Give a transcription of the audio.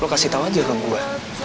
lo kasih tau aja dong gue